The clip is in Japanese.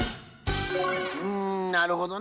うんなるほどね。